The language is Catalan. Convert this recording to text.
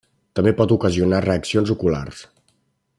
També pot ocasionar reaccions oculars.